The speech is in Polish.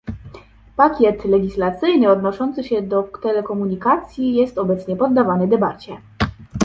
Pakiet legislacyjny odnoszący się do telekomunikacji jest obecnie poddawany debacie